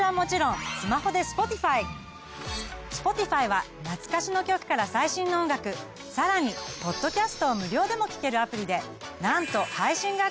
Ｓｐｏｔｉｆｙは懐かしの曲から最新の音楽さらにポッドキャストを無料でも聞けるアプリでなんと配信楽曲は邦楽含め８，０００万